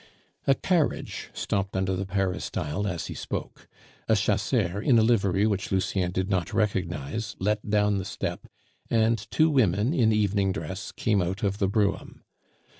A carriage stopped under the peristyle as he spoke. A chasseur, in a livery which Lucien did not recognize, let down the step, and two women in evening dress came out of the brougham.